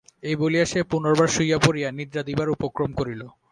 এই বলিয়া সে পুনর্বার শুইয়া পড়িয়া নিদ্রা দিবার উপক্রম করিল।